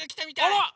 あっ！